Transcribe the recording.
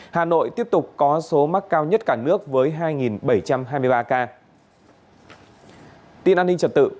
hà nội tiếp tục có số mắc cao nhất cả nước với hai bảy trăm hai mươi ba ca